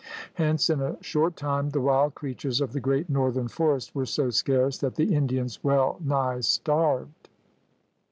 Hence in a short time the wild creatures of the great northern forest were so scarce that the Indians well nigh starved.